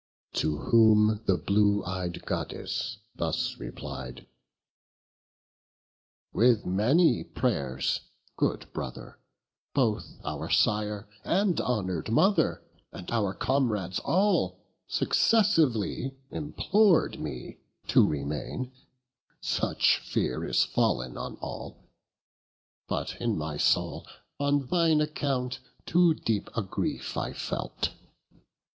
To whom the blue ey'd Goddess thus replied: "With many pray'rs, good brother, both our sire And honour'd mother, and our comrades all Successively implored me to remain; Such fear is fall'n on all; but in my soul On thine account too deep a grief I felt.